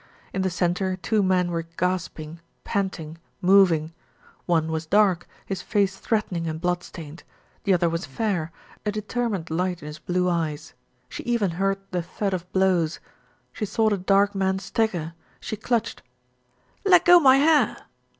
In the centre two men were gasping, pant ing, moving. One was dark, his face threatening and blood stained. The other was fair, a determined light 308 THE RETURN OF ALFRED in his blue eyes. She even heard the thud of blows. She saw the dark man stagger she clutched "Leggo my hair!"